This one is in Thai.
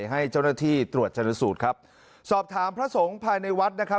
ให้เจ้าหน้าที่ตรวจชนสูตรครับสอบถามพระสงฆ์ภายในวัดนะครับ